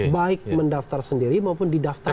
baik mendaftar sendiri maupun didaftarkan